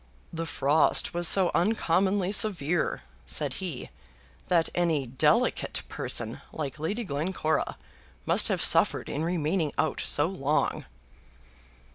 "The frost was so uncommonly severe," said he, "that any delicate person like Lady Glencora must have suffered in remaining out so long."